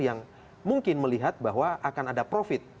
yang mungkin melihat bahwa akan ada profit